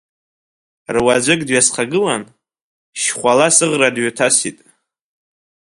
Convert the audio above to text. Руаӡәк дҩасхагылан, шьхәала сыӷра дыҩҭасит.